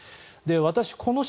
私、この島